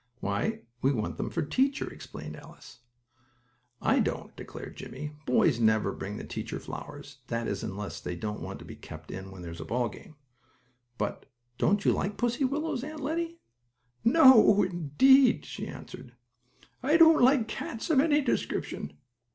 "Why, we want them for teacher," explained Alice. "I don't," declared Jimmie. "Boys never bring the teacher flowers; that is unless they don't want to be kept in when there's a ball game. But don't you like pussy willows, Aunt Lettie?" "Oh, no indeed," she answered. "I don't like cats of any description."